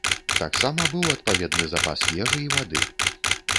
Таксама быў адпаведны запас ежы і вады.